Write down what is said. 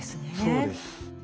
そうです。